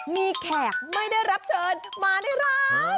มีแขกไม่ได้รับเชิญมาได้รับ